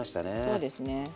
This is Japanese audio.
そうですね。